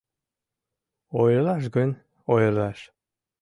— Ойырлаш гын, ойырлаш.